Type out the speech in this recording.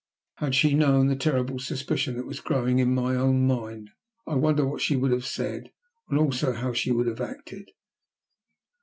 Had she known the terrible suspicion that was growing in my own mind, I wonder what she would have said, and also how she would have acted?